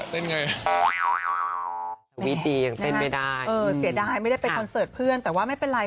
เสียดายแม้ก็ไม่ได้ไปคอนเสิร์ตเพื่อนแต่ว่าไม่เป็นไร